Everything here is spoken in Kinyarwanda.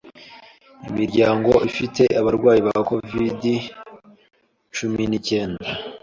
Imiryango ifite abarwayi ba Covid-cumi ni cyenda